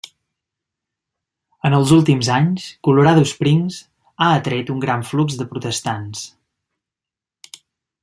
En els últims anys, Colorado Springs ha atret un gran flux de protestants.